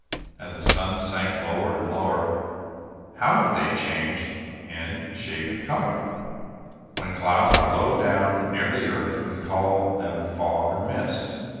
As the sun sank lower and lower, how did they change, in shape and color? When clouds are low down, near the earth, we call them fogs or mist.